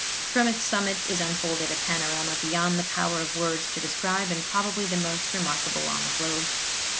From its summit is unfolded a panorama beyond the power of words to describe, and probably the most remarkable on the globe.